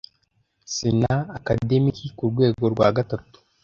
Sena Akademiki ku rwego rwa gatatu